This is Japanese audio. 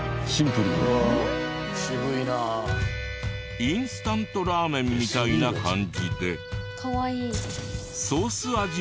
インスタントラーメンみたいな感じで。